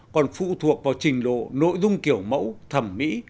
còn phụ thuộc vào trình độ nội dung kiểu mẫu thẩm mỹ